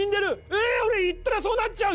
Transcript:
俺行ったらそうなっちゃう！